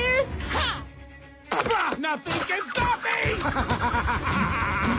ハハハハ！